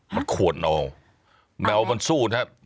มันขวดเอาแมวมันสู้นะฮะ